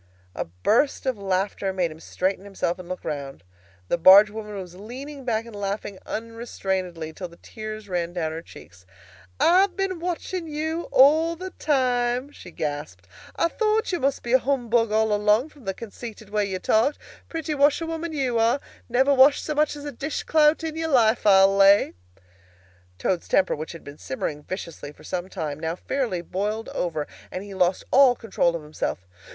A burst of laughter made him straighten himself and look round. The barge woman was leaning back and laughing unrestrainedly, till the tears ran down her cheeks. "I've been watching you all the time," she gasped. "I thought you must be a humbug all along, from the conceited way you talked. Pretty washerwoman you are! Never washed so much as a dish clout in your life, I'll lay!" Toad's temper which had been simmering viciously for some time, now fairly boiled over, and he lost all control of himself.